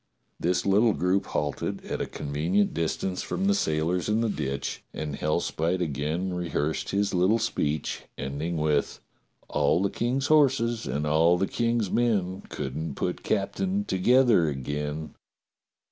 This little group h alted at a convenient distance from the sailors in the ditch, and Hellspite again rehearsed his little speech, ending up with: "*A11 the King's horses and all the King's men Could not put captain together again.'